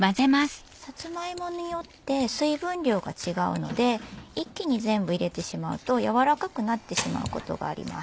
さつま芋によって水分量が違うので一気に全部入れてしまうと軟らかくなってしまうことがあります。